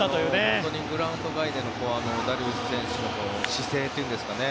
本当にグラウンド外でのダルビッシュ選手の姿勢というんですかね。